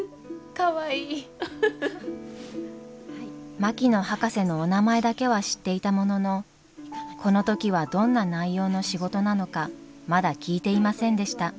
槙野博士のお名前だけは知っていたもののこの時はどんな内容の仕事なのかまだ聞いていませんでした